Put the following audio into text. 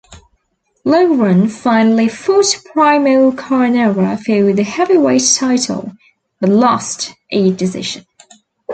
Loughran finally fought Primo Carnera for the heavyweight title but lost a decision.